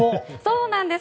そうなんです！